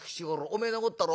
お前のこったろ？